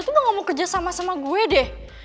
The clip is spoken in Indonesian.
udah gak mau kerja sama sama gue deh